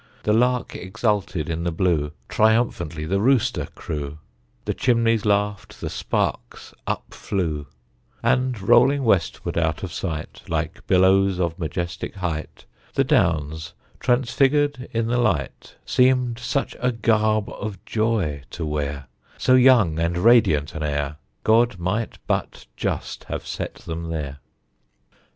The lark exulted in the blue, Triumphantly the rooster crew, The chimneys laughed, the sparks up flew; And rolling westward out of sight, Like billows of majestic height, The Downs, transfigured in the light, Seemed such a garb of joy to wear, So young and radiant an air, God might but just have set them there.